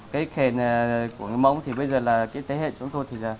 cái khen của người mông thì bây giờ là cái thế hệ chúng tôi thì là